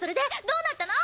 どうなったの！？